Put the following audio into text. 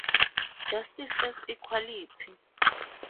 Justice as equality?